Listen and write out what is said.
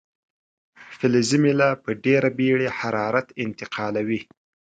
فلزي میله په ډیره بیړې حرارت انتقالوي.